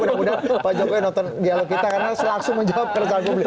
mudah mudahan pak jokowi nonton dialog kita karena langsung menjawab pertanyaan publik